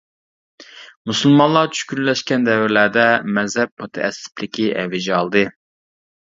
مۇسۇلمانلار چۈشكۈنلەشكەن دەۋرلەردە مەزھەپ مۇتەئەسسىپلىكى ئەۋج ئالدى.